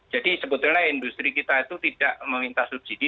jadi sebetulnya industri kita itu tidak meminta subsidi